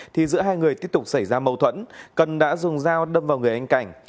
thì giữa hai người tiếp tục xảy ra mâu thuẫn cần đã dùng dao đâm vào người anh cảnh